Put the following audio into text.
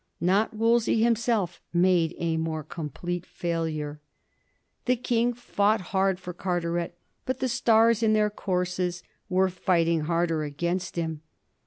Not Wolsey himself made a more complete failure. The King fought hard for Carteret; but the stars in their courses were fighting harder against him.